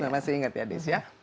masih ingat ya des ya